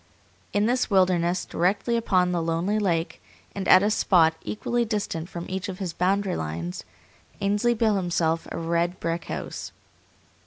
In this wilderness, directly upon the lonely lake, and at a spot equally distant from each of his boundary lines, Ainsley built himself a red brick house.